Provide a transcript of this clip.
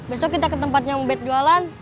besok kita ke tempatnya om ubed jualan